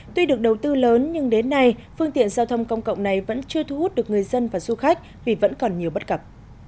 tuy được đầu tư lớn nhưng đến nay phương tiện giao thông công cộng này vẫn chưa thu hút được người dân và du khách vì vẫn còn nhiều bất cập